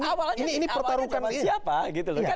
awalnya di awalnya di bawah siapa gitu loh